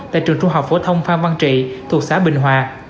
tại trường trung học phổ thông phan văn trị thuộc xã bình hòa